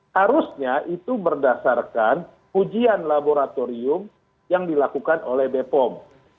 harusnya itu berdasarkan ujian laboratorium yang dilakukan oleh bepom